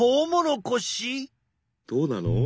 どうなの？